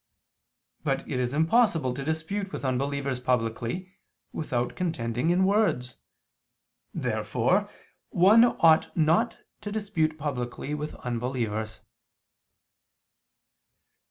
But it is impossible to dispute with unbelievers publicly without contending in words. Therefore one ought not to dispute publicly with unbelievers.